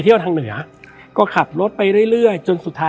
และวันนี้แขกรับเชิญที่จะมาเชิญที่เรา